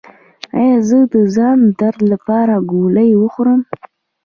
ایا زه د ځان درد لپاره ګولۍ وخورم؟